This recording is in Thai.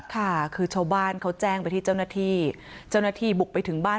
ค่ะคือชาวบ้านเขาแจ้งไปที่เจ้าหน้าที่เจ้าหน้าที่บุกไปถึงบ้าน